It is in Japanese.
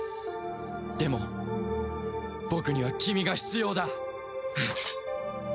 でも僕には君が必要だ。